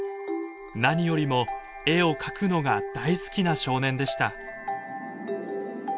何よりも絵を描くのが大好きな少年でした。